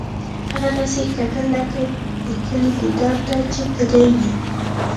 هغه داسې کتل لکه د کلي دیدار ته چې تږی وي